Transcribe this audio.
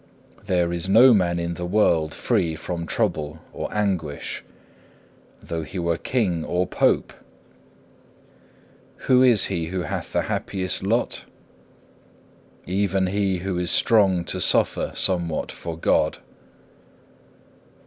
There is no man in the world free from trouble or anguish, though he were King or Pope. Who is he who hath the happiest lot? Even he who is strong to suffer somewhat for God.